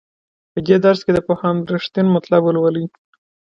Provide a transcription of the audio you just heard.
په دې درس کې د پوهاند رښتین مطلب ولولئ.